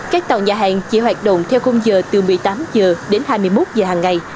các tàu nhà hàng chỉ hoạt động theo khung giờ từ một mươi tám h đến hai mươi một h hàng ngày